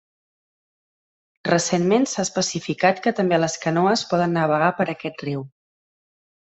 Recentment s'ha especificat que també les canoes poden navegar per aquest riu.